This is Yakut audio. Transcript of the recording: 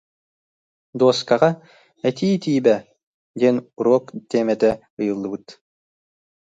Дуоскаҕа «Этии тиибэ» диэн уруок тиэмэтэ ыйыллыбыт